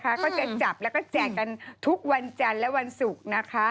ก็จะจับแล้วก็แจกกันทุกวันจันทร์และวันศุกร์นะคะ